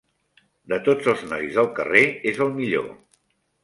De tots els nois del carrer, és el millor.